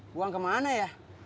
buang kemana ya